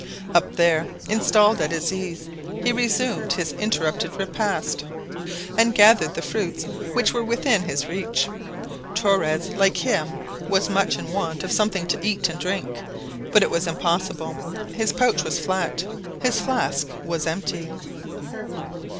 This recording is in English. Up there, installed at his ease, he resumed his interrupted repast, and gathered the fruits which were within his reach. Torres, like him, was much in want of something to eat and drink, but it was impossible! His pouch was flat, his flask was empty.